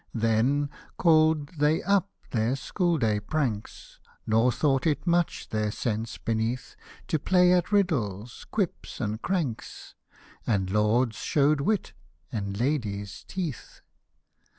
Then called they up their school day pranks, Nor thought it much their sense beneath To play at riddles, quips, and cranks, And lords showed wit, and ladies teeth.